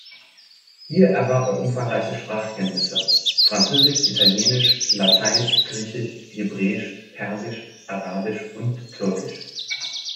Hier erwarb er umfangreiche Sprachkenntnisse: Französisch, Italienisch, Latein, Griechisch, Hebräisch, Persisch, Arabisch und Türkisch.